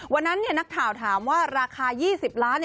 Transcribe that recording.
วันนั้นนักข่าวถามว่าราคา๒๐ล้าน